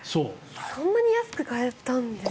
そんなに安く買えたんですか。